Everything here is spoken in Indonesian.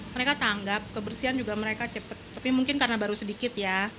mereka tanggap kebersihan juga mereka cepet tapi mungkin karena baru sedikit ya